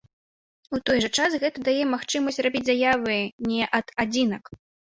У той жа час гэта дае магчымасць рабіць заявы не ад адзінак.